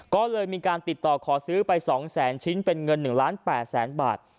ก็เลยมีการติดต่อขอซื้อไป๒๐๐๐๐๐ชิ้นเป็นเงิน๑๘๐๐๐๐๐บาท